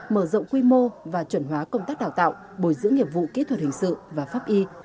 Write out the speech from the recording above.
mở rộng quy mô và chuẩn hóa công tác đào tạo bồi dưỡng nghiệp vụ kỹ thuật hình sự và pháp y